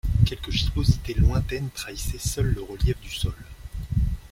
Quelques gibbosités lointaines trahissaient seules le relief du sol.